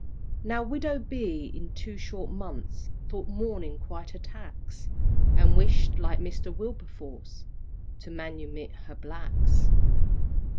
Now widow B. in two short months Thought mourning quite a tax; And wished, like Mr. Wilberforce, To manumit her blacks.